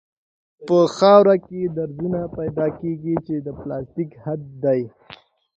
په خاوره کې درزونه پیدا کیږي چې د پلاستیک حد دی